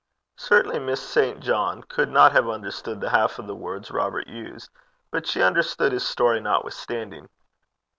Certainly Miss St. John could not have understood the half of the words Robert used, but she understood his story notwithstanding.